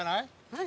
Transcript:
何？